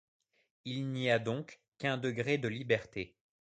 Il n'y a donc qu'un degré de liberté.